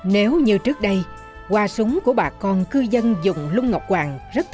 nếu như trước đây qua súng của bà con cư dân dùng lung ngọc hoàng rất thích